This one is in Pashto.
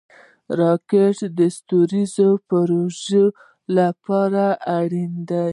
راکټ د ستوریزو پروژو لپاره اړین دی